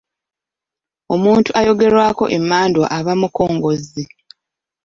Omuntu ayogererwako emmandwa aba mukongozzi.